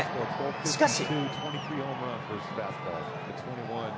しかし。